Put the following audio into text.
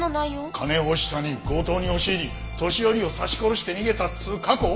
金欲しさに強盗に押し入り年寄りを刺し殺して逃げたっつう過去。